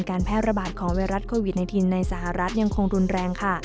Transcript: แพร่ระบาดของไวรัสโควิด๑๙ในสหรัฐยังคงรุนแรงค่ะ